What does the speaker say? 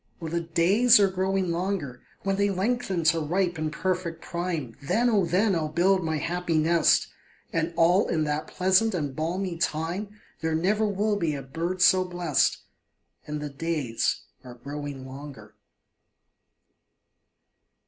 Oh, the days are growing longer; When they lengthen to ripe and perfect prime, Then, oh, then, I will build my happy nest; And all in that pleasant and balmy time, There never will be a bird so blest; And the days are growing longer.